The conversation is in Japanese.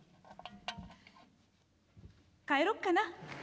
「帰ろっかな」。